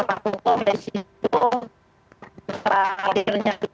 tapi yang saya ingin tahu tentang permasalahan kami ini permasalahan kami kalau dikaitkan dengan pemkab jambi